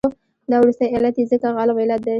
دا وروستی علت یې ځکه غالب علت دی.